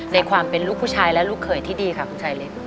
ในความเป็นลูกผู้ชายและลูกเขยที่ดีค่ะคุณชายเล็ก